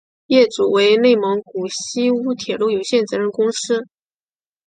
业主为内蒙古锡乌铁路有限责任公司。